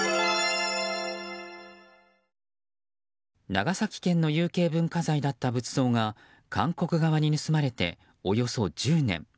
長崎県の有形文化財だった仏像が韓国側に盗まれておよそ１０年。